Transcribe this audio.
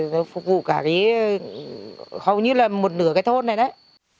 rồi phục vụ cả cái hầu như là một nửa cái thôn này đấy